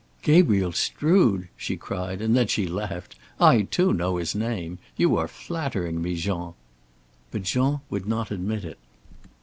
"Gabriel Strood!" she cried, and then she laughed. "I too know his name. You are flattering me, Jean." But Jean would not admit it.